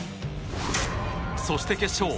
そして、決勝。